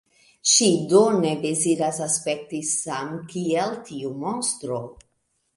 Ŝi do ne deziras aspekti samkiel tiu monstro.